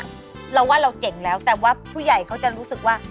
คุณผู้ประชุมเนี่ยเราว่าเราเจ๋งแล้วแต่ว่าผู้ใหญ่เขาจะรู้สึกว่า